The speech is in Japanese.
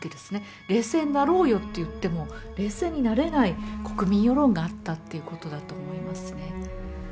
冷静になろうよと言っても冷静になれない国民世論があったっていうことだと思いますね。